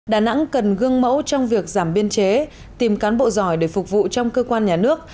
đà nẵng cần gương mẫu trong việc giảm biên chế tìm cán bộ giỏi để phục vụ trong cơ quan nhà nước